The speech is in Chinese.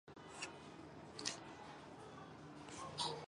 许多政府机关都座落在此区。